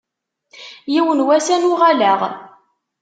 Yiwen n wass ad n-uɣaleɣ.